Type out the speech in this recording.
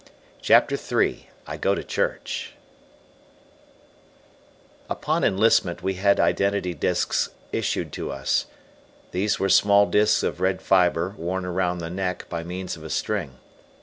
CHAPTER III I GO TO CHURCH Upon enlistment we had identity disks issued to us. These were small disks of red fiber worn around the neck by means of a string.